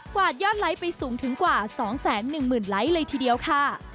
วาดยอดไลค์ไปสูงถึงกว่า๒๑๐๐๐ไลค์เลยทีเดียวค่ะ